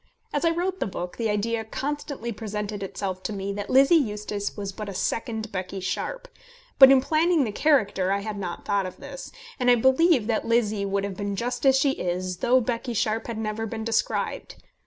As I wrote the book, the idea constantly presented itself to me that Lizzie Eustace was but a second Becky Sharpe; but in planning the character I had not thought of this, and I believe that Lizzie would have been just as she is though Becky Sharpe had never been described.